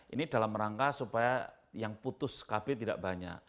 ini dalam rangka supaya yang putus skb tidak banyak